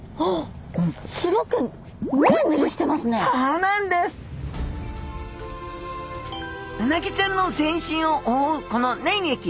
うなぎちゃんの全身を覆うこの粘液。